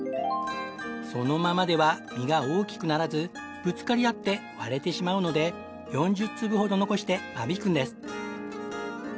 そのままでは実が大きくならずぶつかり合って割れてしまうので４０粒ほど残して間引くんです。